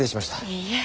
いいえ。